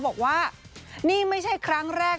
บอกว่านี่ไม่ใช่ครั้งแรก